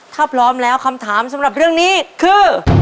ถ้าพร้อมแล้วคำถามสำหรับเรื่องนี้คือ